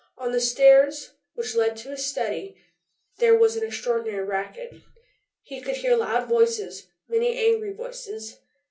On the stairs which led to his study there was an extraordinary racket. He could hear loud voices, many angry voices.